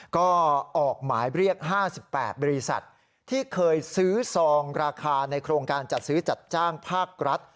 ก็ออกหมายเรียก๕๘บริษัทที่เคยซื้อซองราคาในโครงการจัดซื้อจัดจ้างภาครัฐ